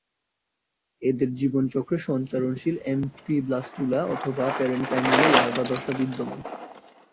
এদের জীবনচক্রে সঞ্চারনশীল এমফিব্লাস্টুলা অথবা প্যারেনকাইমুলা লার্ভা দশা বিদ্যমান।